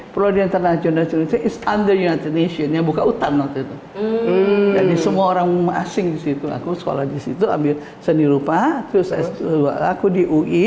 program masing masing situ aku sekolah disitu ambil seni rupa terus aku di ui